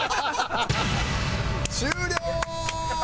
終了！